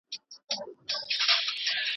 ته لکه غنچه زه به شبنم غيږي ته درسمه